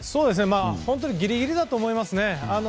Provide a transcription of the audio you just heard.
本当にギリギリだと思います。